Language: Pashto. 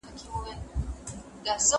د سرطان ناروغان باید سکرینینګ وکړي.